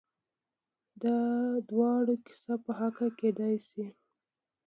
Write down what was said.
دا دواړه کسه په حقه کېدای شي؟